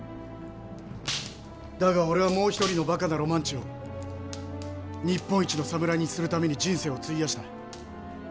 だが俺はもう一人のバカなロマンチを日本一の侍にするために人生を費やした。